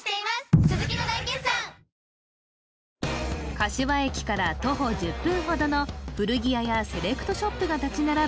柏駅から徒歩１０分ほどの古着屋やセレクトショップが立ち並ぶ